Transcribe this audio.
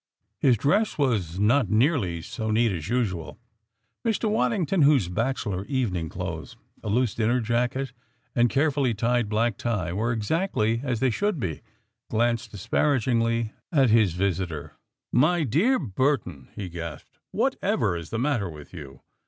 His dress was not nearly so neat as usual. Mr. Waddington, whose bachelor evening clothes a loose dinner jacket and carefully tied black tie were exactly as they should be, glanced disparagingly at his visitor. "My dear Burton," he gasped, "whatever is the matter with you?